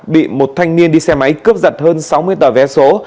bị một thanh niên đi xe máy cướp giật hơn sáu mươi tờ vé số